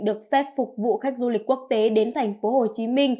được phép phục vụ khách du lịch quốc tế đến tp hcm